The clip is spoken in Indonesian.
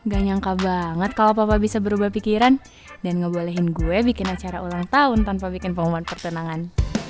gak nyangka banget kalau papa bisa berubah pikiran dan ngebolehin gue bikin acara ulang tahun tanpa bikin pengumat pertenangan